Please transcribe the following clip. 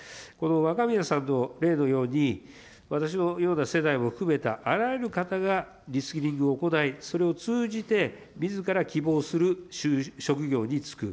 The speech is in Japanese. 若宮さんの例のように、私のような世代も含めたあらゆる方がリスキリングを行い、それを通じて、みずから希望する職業に就く。